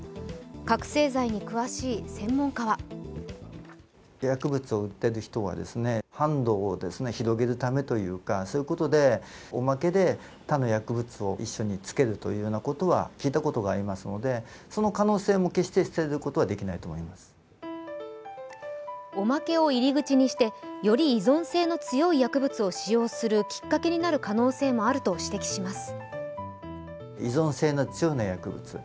覚醒剤に詳しい専門家はおまけを入り口にしてより依存性の強い薬物を使用するきっかけになる可能性もあると指摘します。